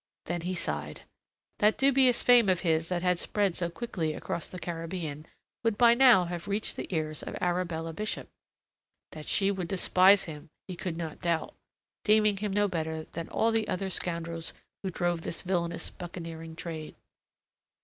Then he sighed. That dubious fame of his that had spread so quickly across the Caribbean would by now have reached the ears of Arabella Bishop. That she would despise him, he could not doubt, deeming him no better than all the other scoundrels who drove this villainous buccaneering trade.